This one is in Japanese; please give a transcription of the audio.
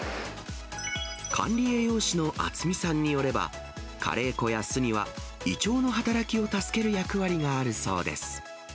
管理栄養士の渥美さんによれば、カレー粉や酢には、胃腸の働きを助ける役割があるそうです。